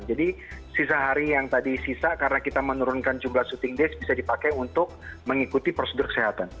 jadi sisa hari yang tadi sisa karena kita menurunkan jumlah syuting days bisa dipakai untuk mengikuti prosedur kesehatan